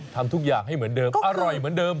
ทำทุกอย่างให้เหมือนเดิมอร่อยเหมือนเดิม